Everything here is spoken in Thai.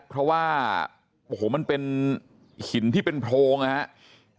เพราะว่าโอ้โหมันเป็นหินที่เป็นโพรงนะครับ